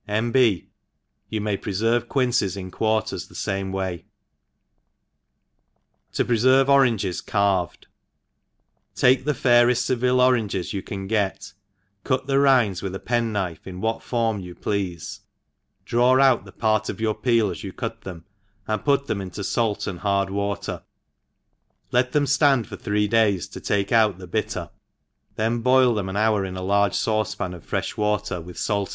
N. B, You may pr? ferre quinces in quarters the fame way^ To freferve Oranges carved. * TAKE the faireft Seville oranges you can get, cut the rinds with a' penknife in what form you pleafe, draw out the part of your peel as jou cut them, and put them into falt^and hard water, ENGLISH HOUSE KEEPER. 135 wftter, let tbem Aand for thicec d^jss to take out the bitter, then boil* them ^n hour m a large £iucepan of fr^fk water> with fidt.